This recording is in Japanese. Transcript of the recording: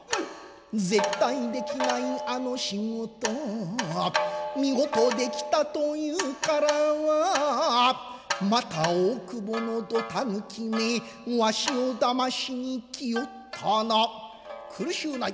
絶対できないあの仕事見事出来たと言うからはまた大久保のどたぬきめわしを騙しに来おったな「苦しゅうない。